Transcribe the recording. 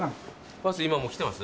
バス今もう来てます？